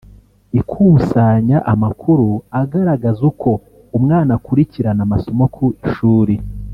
Ikusanya amakuru agaragaza uko umwana akurikirirana amasomo ku ishuri